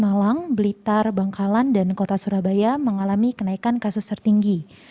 malang blitar bangkalan dan kota surabaya mengalami kenaikan kasus tertinggi